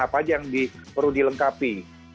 apa aja yang perlu dilengkapi